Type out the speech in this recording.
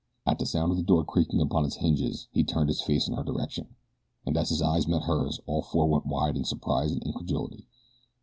At the sound of the door creaking upon its hinges he turned his face in her direction, and as his eyes met hers all four went wide in surprise and incredulity.